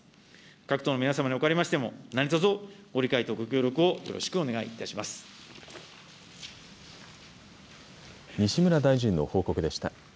各党の皆様におかれましても、何とぞご理解とご協力をよろしくお西村大臣の報告でした。